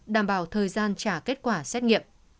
đảm bảo thời gian trả kết quả xét nghiệm